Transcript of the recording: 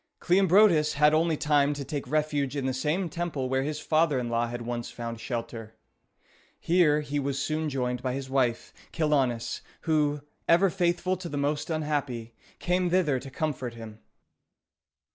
Cleombrotus had only time to take refuge in the same temple where his father in law had once found shelter. Here he was soon joined by his wife, Chilonis, who, ever faithful to the most unhappy, came thither to comfort him.